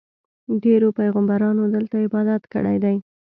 ډېرو پیغمبرانو دلته عبادت کړی دی.